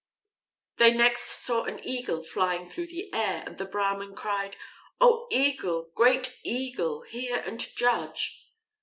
They next saw an Eagle flying through the air, and the Brahmin cried: "O Eagle, great Eagle, hear and judge."